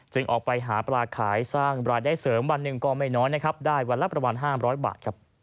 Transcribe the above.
ออกไปหาปลาขายสร้างรายได้เสริมวันหนึ่งก็ไม่น้อยนะครับได้วันละประมาณ๕๐๐บาท